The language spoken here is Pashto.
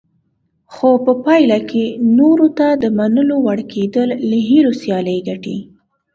خو په پایله کې نورو ته د منلو وړ کېدل له هیلو سیالي ګټي.